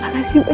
makasih buat aku